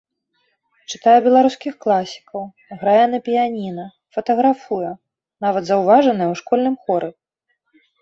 Чытае беларускіх класікаў, грае на піяніна, фатаграфуе, нават заўважаная ў школьным хоры.